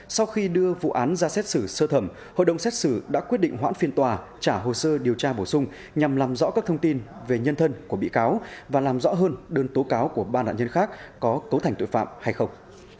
sau khi đưa vụ án ra xét xử sơ thẩm hội đồng xét xử đã quyết định hoãn phiên tòa trả hồ sơ điều tra bổ sung nhằm làm rõ các thông tin về nhân thân của bị cáo và làm rõ hơn đơn tố cáo của ba nạn nhân khác có cấu thành tội phạm hay không